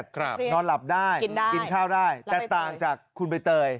ครับนอนหลับได้กินได้และใบเตยแต่ต่างจากคุณใบเตย